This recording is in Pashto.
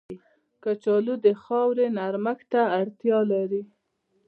کچالو د خاورې نرمښت ته اړتیا لري